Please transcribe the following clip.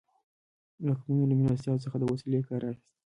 واکمنو له مېلمستیاوو څخه د وسیلې کار اخیست.